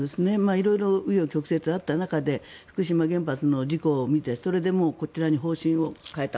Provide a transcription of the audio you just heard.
色々、紆余曲折あった中で福島原発の事故を見てそれで、こちらに方針を変えた。